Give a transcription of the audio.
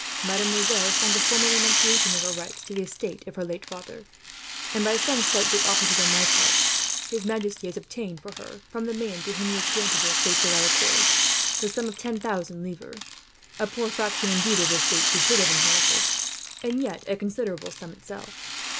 Mademoiselle has signed a formal renunciation of her rights to the estates of her late father and, by some slight good offices on my part, his majesty has obtained for her, from the man to whom he has granted the estates of Valecourt, the sum of ten thousand livres a poor fraction, indeed, of the estates she should have inherited; and yet a considerable sum, in itself."